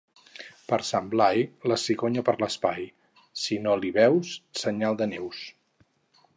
Per Sant Blai, la cigonya per l'espai; si no l'hi veus, senyal de neus.